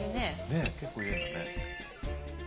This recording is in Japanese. ねっ結構入れんだね。